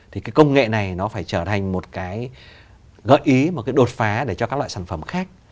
thì cái công nghệ này nó phải trở thành một cái gợi ý một cái đột phá để cho các loại sản phẩm khác